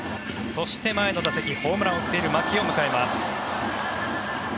そして、前の打席でホームランを打っている牧を迎えます。